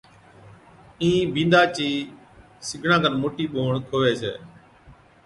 اِين بِينڏا چِي سِگڙان کن موٽِي ٻوھڻ کووي ڇَي